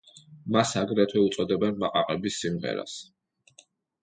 მას აგრეთვე უწოდებენ „ბაყაყების სიმღერას“.